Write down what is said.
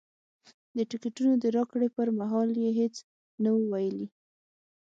د ټکټونو د راکړې پر مهال یې هېڅ نه وو ویلي.